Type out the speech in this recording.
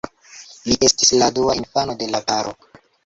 Li estis la dua infano de la paro.